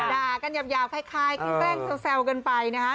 ด่ากันหยาบคล้ายแกล้งแซวกันไปนะฮะ